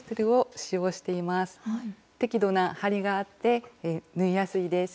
適度な張りがあって縫いやすいです。